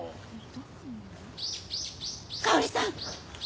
香織さん！